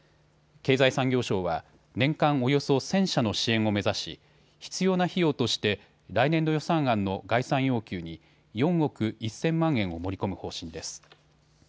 経済産業省は年間およそ１０００社の支援を目指し、必要な費用として来年度予算案の概算要求に４億１０００万円を盛り込む方針です。